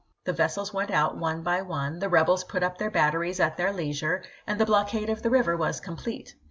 The vessels went out one by one; the rebels put up their batteries at their leisure, and the blockade of the river was complete.